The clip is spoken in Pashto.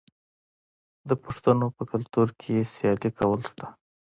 د پښتنو په کلتور کې سیالي کول شته.